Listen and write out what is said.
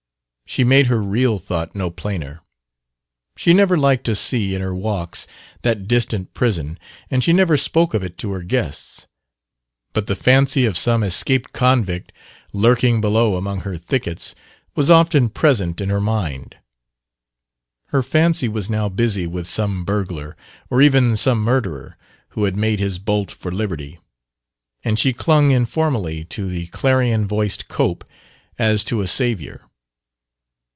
She made her real thought no plainer. She never liked to see, in her walks, that distant prison, and she never spoke of it to her guests; but the fancy of some escaped convict lurking below among her thickets was often present in her mind. Her fancy was now busy with some burglar, or even some murderer, who had made his bolt for liberty; and she clung informally to the clarion voiced Cope as to a savior.